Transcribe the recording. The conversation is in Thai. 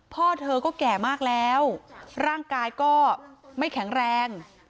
พ่อเธอก็แก่มากแล้วร่างกายก็ไม่แข็งแรง